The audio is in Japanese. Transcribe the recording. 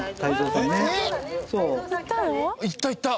行った行った！